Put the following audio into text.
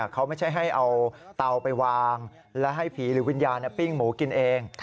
เขาไม่ใช่ให้เอาเตาไปวางและให้ผีหรือวิญญาณปิ้งหมูกินเอง